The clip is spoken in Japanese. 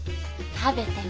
食べてみ。